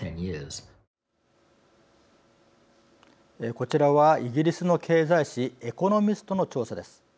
こちらはイギリスの経済誌「エコノミスト」の調査です。